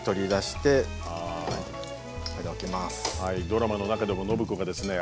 ドラマの中でも暢子がですね